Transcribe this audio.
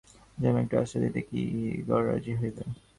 তবুও যদি সেখানে যাওয়া যায়, জামাই একটু আশ্রয় দিতে কি গররাজী হইবে?